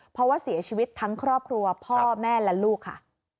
เพราะว่าเสียชีวิตทั้งครอบครัวพ่อแม่และลูกค่ะ